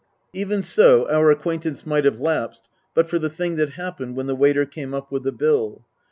Even so our acquaintance might have lapsed but for the thing that happened when the waiter came up with the bill.